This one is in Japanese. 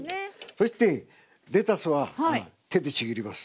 そしてレタスは手でちぎります。